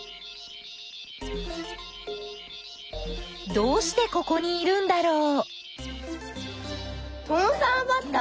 どうしてここにいるんだろう？